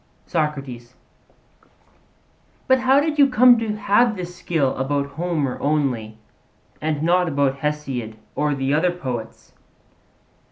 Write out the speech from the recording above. SOCRATES: But how did you come to have this skill about Homer only, and not about Hesiod or the other poets?